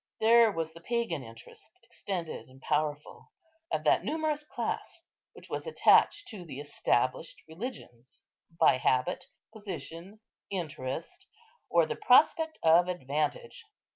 There was the pagan interest, extended and powerful, of that numerous class which was attached to the established religions by habit, position, interest, or the prospect of advantage.